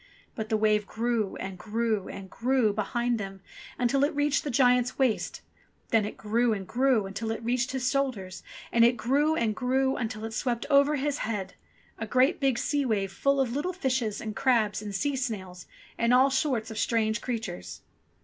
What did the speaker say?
But the wave grew, and grew, and grew behind them, until it reached the giant's waist ; then it grew and grew until it reached his shoulders ; and it grew and grew until it swept over his head : a great big sea wave full of little fishes and crabs and sea snails and all sorts of strange creatures.